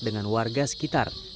dengan warga sekitar